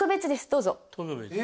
どうぞ。